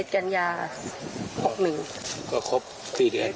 ๒๑กันยา๖๑ค่ะก็ครบ๔เดือน